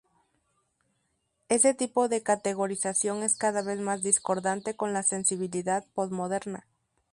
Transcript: Ese tipo de categorización es cada vez más discordante con la sensibilidad posmoderna.